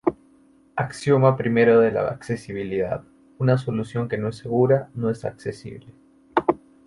Axioma primero de la accesibilidad: una solución que no es segura, no es accesible.